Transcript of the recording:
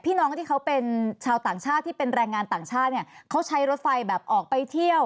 น้องที่เขาเป็นชาวต่างชาติที่เป็นแรงงานต่างชาติเนี่ยเขาใช้รถไฟแบบออกไปเที่ยว